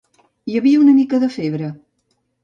Hi havia una mica de febre.